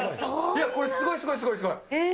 いや、これ、すごいすごい、すごいすごい。